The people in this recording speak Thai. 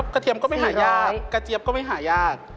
เทียมก็ไม่หายากกระเจี๊ยบก็ไม่หายาก